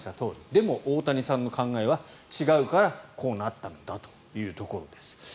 でも大谷さんの考えは違うからこうなったんだというところです。